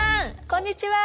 こんにちは。